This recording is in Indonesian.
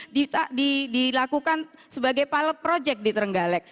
dilakukan sebagai pilot project di terenggalek